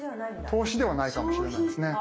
投資ではないかもしれないですね。